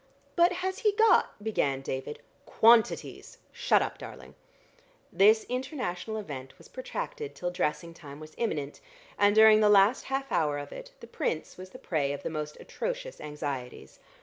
"But has he got " began David. "Quantities! Shut up, darling!" This international event was protracted till dressing time was imminent, and during the last half hour of it the Prince was the prey of the most atrocious anxieties.